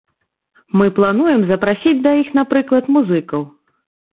Мы плануем запрасіць да іх, напрыклад, музыкаў.